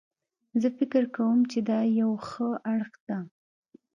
زه فکر کوم چې دا یو ښه اړخ ده